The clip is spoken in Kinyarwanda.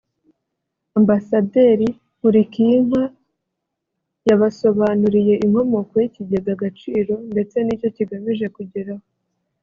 Ambasaderi Nkulikiyinka yabasobanuriye inkomoko y’ikigega Agaciro ndetse n’icyo kigamije kugeraho